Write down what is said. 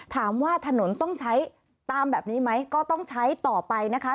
ถามว่าถนนต้องใช้ตามแบบนี้ไหมก็ต้องใช้ต่อไปนะคะ